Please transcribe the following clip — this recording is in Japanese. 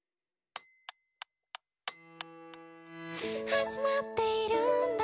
「始まっているんだ